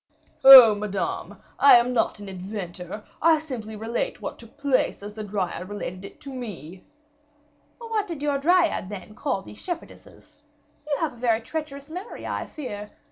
"Oh! Madame, I am not an inventor; I relate simply what took place as the Dryad related it to me." "What did your Dryad, then, call these shepherdesses? You have a very treacherous memory, I fear.